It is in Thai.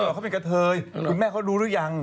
เขาเป็นกะเทยคุณแม่เขารู้หรือยัง